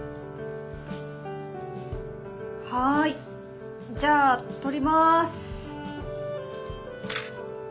はいじゃあ撮ります。